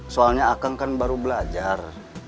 soalnya akag kan baru belajar